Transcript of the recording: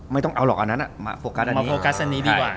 ไม่ต้องเอาเหรอกอันนั่น